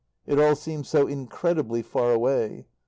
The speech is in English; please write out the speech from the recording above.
It all seems so incredibly far away.